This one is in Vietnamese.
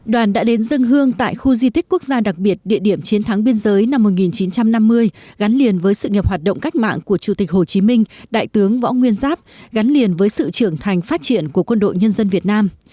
đoàn đã đến dân hương tại khu di tích quốc gia đặc biệt địa điểm chiến thắng biên giới năm một nghìn chín trăm năm mươi gắn liền với sự nghiệp hoạt động cách mạng của chủ tịch hồ chí minh đại tướng võ nguyên giáp gắn liền với sự trưởng thành phát triển của quân đội nhân dân việt nam